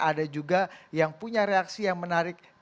ada juga yang punya reaksi yang menarik